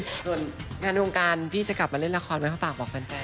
ส่วนงานวงการพี่จะกลับมาเล่นละครไหมคะฝากบอกแฟน